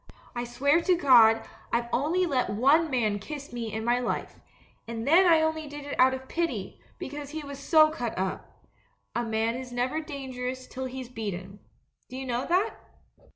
I swear to God I've only let one man kiss me in my life — and then I only did it out of pity, because he was so cut up. A man is never dan gerous till he's beaten. Do you know that?'